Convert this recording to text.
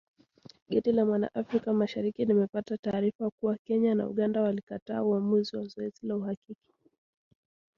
Gazeti la mwana Afrika Mashariki limepata taarifa kuwa Kenya na Uganda walikataa uamuzi wa zoezi la uhakiki.